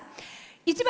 １番